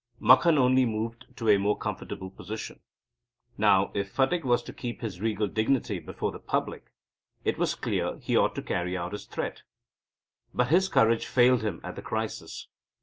Makhan only moved to a more comfortable position. Now, if Phatik was to keep his regal dignity before the public, it was clear he ought to carry out his threat. But his courage failed him at the crisis.